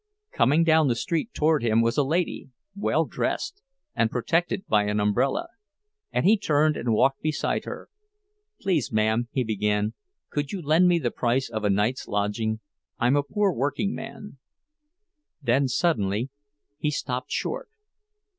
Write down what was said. Coming down the street toward him was a lady, well dressed, and protected by an umbrella; and he turned and walked beside her. "Please, ma'am," he began, "could you lend me the price of a night's lodging? I'm a poor working man—" Then, suddenly, he stopped short.